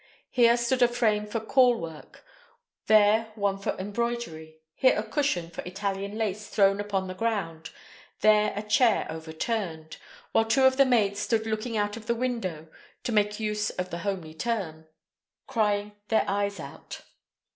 Here stood a frame for caul work, there one for embroidery; here a cushion for Italian lace thrown upon the ground; there a chair overturned; while two of the maids stood looking out of the window (to make use of the homely term), crying their eyes out.